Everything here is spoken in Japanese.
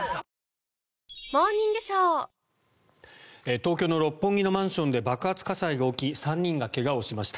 東京の六本木のマンションで爆発火災が起き３人が怪我をしました。